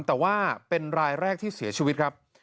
แต่ว่าเป็นรายแรกที่เสียชีวิตครับ